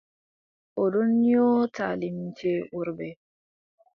O ɗon nyoota limce worɓe.